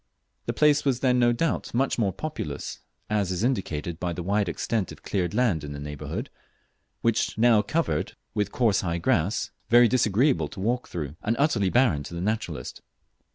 The place was then no doubt much more populous, as is indicated by the wide extent of cleared land in the neighbourhood, now covered with coarse high grass, very disagreeable to walk through, and utterly barren to the naturalist.